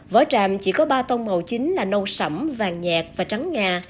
vỏ tràm chỉ có ba tông màu chính là nâu sẫm vàng nhạt và trắng ngà